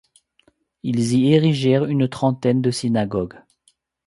Ils y érigèrent une trentaine de synagogues.